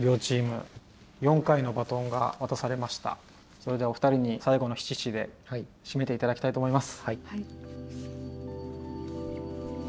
それではお二人に最後の七七で締めて頂きたいと思います。